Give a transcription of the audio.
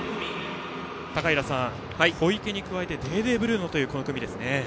高平さん、小池に加えてデーデー・ブルーノというこの組です。